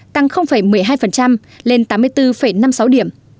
tăng một mươi hai lên tám mươi bốn năm mươi sáu điểm